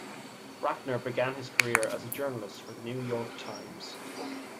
Rattner began his career as a journalist for The New York Times.